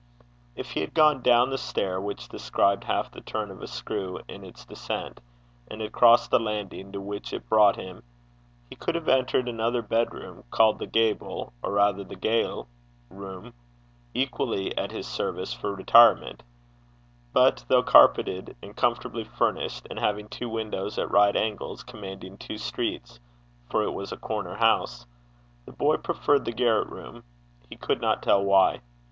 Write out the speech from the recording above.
If he had gone down the stair, which described half the turn of a screw in its descent, and had crossed the landing to which it brought him, he could have entered another bedroom, called the gable or rather ga'le room, equally at his service for retirement; but, though carpeted and comfortably furnished, and having two windows at right angles, commanding two streets, for it was a corner house, the boy preferred the garret room he could not tell why.